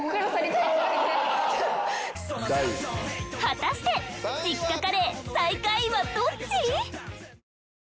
果たして実家カレー最下位はどっち？